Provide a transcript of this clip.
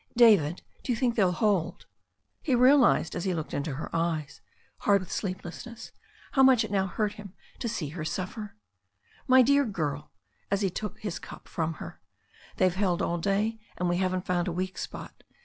"David, do you think they'll hold ?" He realized as he looked into her eyes, hard with sleep lessness, how much it now hurt him to see her suffer. "My dear girl" — ^as he took his cup from her — "they^ve held all day and we haven't found a weak spot.